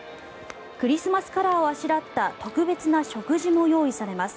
クリスマスカラーをあしらった特別な食事も用意されます。